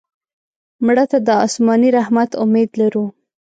مړه ته د آسماني رحمت امید لرو